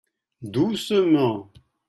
Doucement.